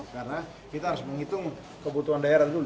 karena kita harus menghitung kebutuhan daerah dulu